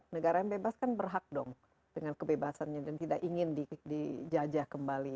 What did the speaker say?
negara yang bebas kan berhak dong dengan kebebasannya dan tidak ingin dijajah kembali